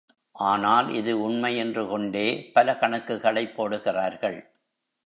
ஆனால் இது உண்மை என்று கொண்டே பல கணக்குகளைப் போடுகிறார்கள்.